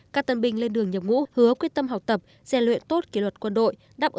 các tân binh lên đường nhập ngũ hứa quyết tâm học tập xen luyện tốt kỷ luật quân đội